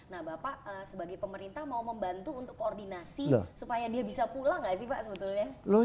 nah bapak sebagai pemerintah mau membantu untuk koordinasi supaya dia bisa pulang nggak sih pak sebetulnya